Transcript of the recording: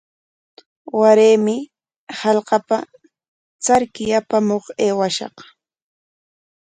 Waraymi hallqapa charki apamuq aywashaq.